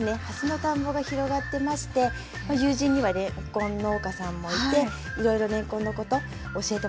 蓮の田んぼが広がってまして友人にはれんこん農家さんもいていろいろれんこんのこと教えてもらったりしています。